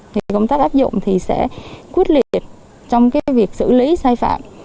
thì công tác áp dụng thì sẽ quyết liệt trong cái việc xử lý sai phạm